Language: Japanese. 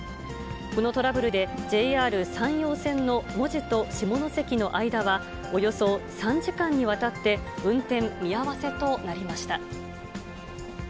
このトラブルで、ＪＲ山陽線の門司と下関の間は、およそ３時間にわたって運転見合わせとなりました。